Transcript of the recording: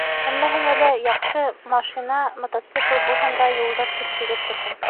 Һәммәһенә лә яҡшы машина-мотоцикл булһын да юлдар тип-тигеҙ торһон.